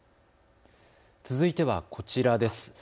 続いてはこちらです。